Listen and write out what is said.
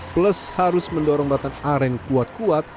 plus harus mendorong batang aren kuat kuat